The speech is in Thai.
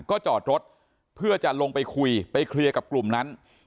ก็จอดรถเพื่อจะลงไปคุยไปเคลียร์กับกลุ่มนั้น